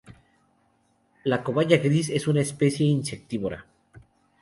La collalba gris es una especie insectívora.